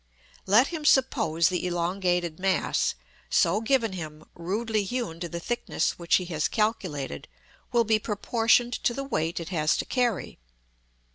Let him suppose the elongated mass, so given him, rudely hewn to the thickness which he has calculated will be proportioned to the weight it has to carry.